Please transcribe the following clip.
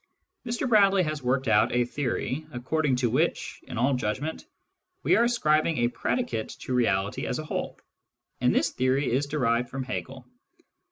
Mr Bradley has worked out a theory according to which, in all judgment, we are ascribing a predicate to Reality as a whole ; and this theory is derived from Hegel.